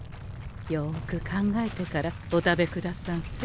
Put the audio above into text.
よく考えてからお食べくださんせ。